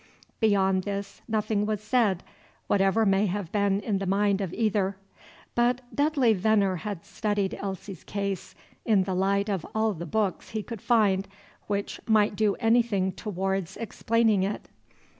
Beyond this nothing was said, whatever may have been in the mind of either. But Dudley Veneer had studied Elsie's case in the light of all the books he could find which might do anything towards explaining it.